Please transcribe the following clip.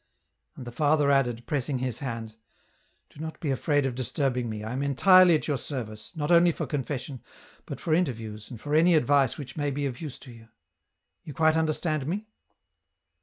And the father added, pressing his hand, " Do not be afraid of disturbing me, I am entirely at your service, not only for confession, but for interviews and for any advice which may be of use to you ; you quite understand me?"